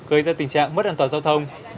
gây ra tình trạng mất an toàn giao thông